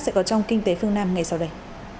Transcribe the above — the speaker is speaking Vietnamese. sẽ có trong kinh tế phương nam ngày sau đây